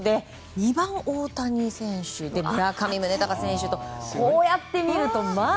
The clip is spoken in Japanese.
２番、大谷選手で村上宗隆選手とこうやってみると、まあ。